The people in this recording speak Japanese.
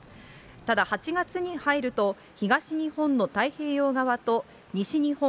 ただ、８月に入ると、東日本の太平洋側と西日本、